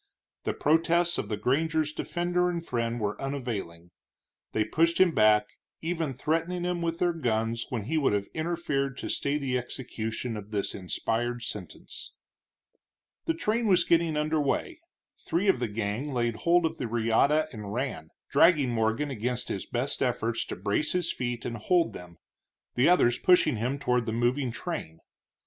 The protests of the granger's defender and friend were unavailing. They pushed him back, even threatening him with their guns when he would have interfered to stay the execution of this inspired sentence. The train was getting under way; three of the gang laid hold of the reata and ran, dragging Morgan against his best efforts to brace his feet and hold them, the others pushing him toward the moving train.